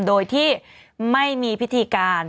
โดยที่ไม่มีพิธีการ